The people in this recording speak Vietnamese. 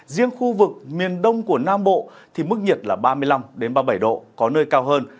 riêng khu vực miền đông của nam bộ thì mức nhiệt là ba mươi năm ba mươi bảy độ có nơi cao hơn